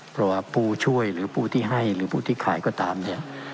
เพราะว่าผู้ช่วยหรือผู้ที่ให้หรือผู้ที่ขายก็ตามเนี่ย